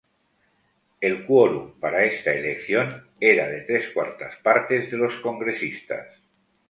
El "quorum" para esta elección era de tres cuartas partes de los congresistas.